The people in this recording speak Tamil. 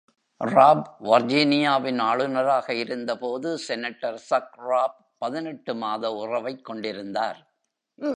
ராப் வர்ஜீனியாவின் ஆளுநராக இருந்தபோது, செனட்டர் சக் ராப் பதினெட்டு மாத உறவைக் கொண்டிருந்தார்.